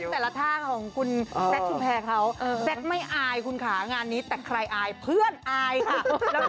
แต่ละท่าของคุณแซคชุมแพรเขาแซคไม่อายคุณค่ะงานนี้แต่ใครอายเพื่อนอายค่ะ